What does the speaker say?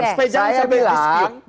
jangan sampai disini